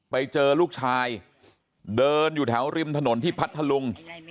ไปเจอลูกชายเดินอยู่แถวริมถนนที่พัทธลุง